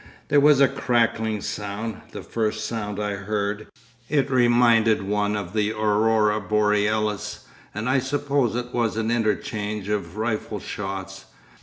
There was a crackling sound—the first sound I heard—it reminded one of the Aurora Borealis, and I supposed it was an interchange of rifle shots.